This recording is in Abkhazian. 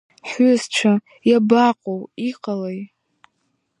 Ҳҩызцәа абаҟоу, иҟалеи?